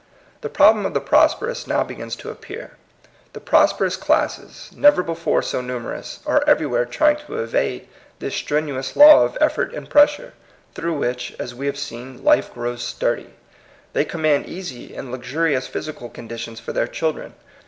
The problem of the prosperous now be gins to appear. The prosperous classes, never before so numerous, are everywhere trying to evade this strenuous law of effort and pressure, through which, as we have seen, life grows sturdy. They command easy and luxurious physical conditions for their children.